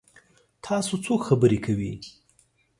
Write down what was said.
تاسو څوک خبرې کوي؟